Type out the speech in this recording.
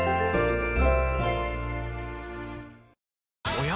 おや？